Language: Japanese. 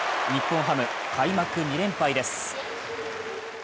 日本ハム、開幕２連敗です。